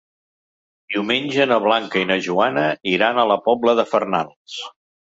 Diumenge na Blanca i na Joana iran a la Pobla de Farnals.